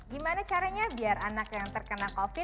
gimana caranya biar anak yang terkena covid